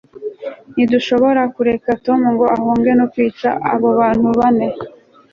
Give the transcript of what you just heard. ntidushobora kureka tom ngo ahunge no kwica abo bantu bane